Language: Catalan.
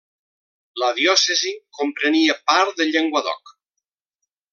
La diòcesi comprenia part del Llenguadoc.